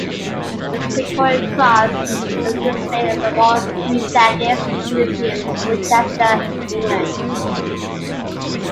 His Victoria Cross is displayed at the Royal Green Jackets Museum, Winchester, England.